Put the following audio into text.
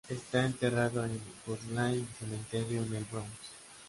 Está enterrado en Woodlawn Cementerio en El Bronx.